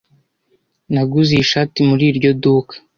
Naguze iyi shati muri iryo duka